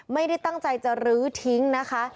ไม่ได้ตั้งใจจะลื้อทิ้งนะคะ